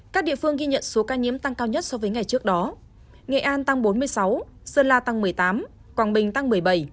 các địa phương ghi nhận số ca nhiễm tăng cao nhất so với ngày trước đó nghệ an tăng bốn mươi sáu sơn la tăng một mươi tám quảng bình tăng một mươi bảy